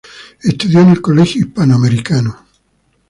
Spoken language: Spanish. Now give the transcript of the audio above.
Estudió en el Colegio Hispano Americano.